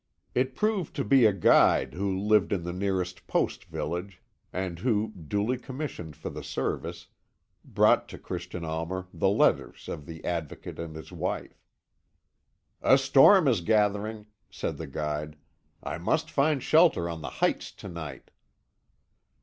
It proved to be a guide who lived in the nearest post village, and who, duly commissioned for the service, brought to Christian Almer the letters of the Advocate and his wife. "A storm is gathering," said the guide; "I must find shelter on the heights to night."